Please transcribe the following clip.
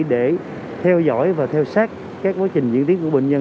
để theo dõi và theo sát các quá trình diễn tiến của bệnh nhân